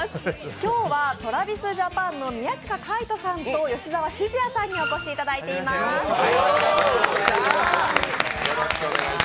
今日は、ＴｒａｖｉｓＪａｐａｎの宮近海斗さんと吉澤閑也さんにお越しいただいていますよ。